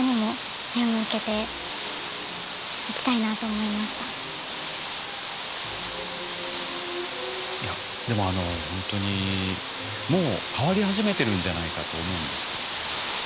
今ちょっといやでもほんとにもう変わり始めてるんじゃないかと思うんです。